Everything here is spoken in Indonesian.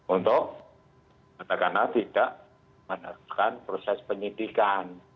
untuk katakanlah tidak menerapkan proses penyidikan